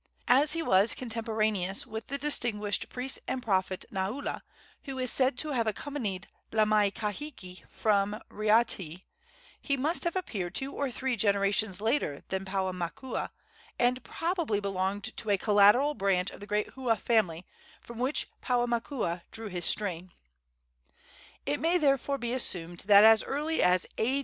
As he was contemporaneous with the distinguished priest and prophet Naula, who is said to have accompanied Laa mai kahiki from Raiatea, he must have appeared two or three generations later than Paumakua, and probably belonged to a collateral branch of the great Hua family from which Paumakua drew his strain. It may therefore be assumed that as early as A.